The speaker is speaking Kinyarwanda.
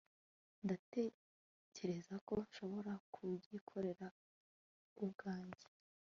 ndatekereza ko nshobora kubyikorera ubwanjye